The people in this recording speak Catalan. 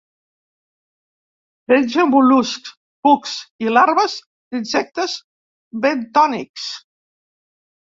Menja mol·luscs, cucs i larves d'insectes bentònics.